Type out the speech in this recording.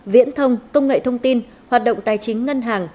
viễn thông công nghệ thông tin hoạt động tài chính ngân hàng